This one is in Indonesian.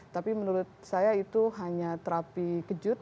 tapi menurut saya itu hanya terapi kejut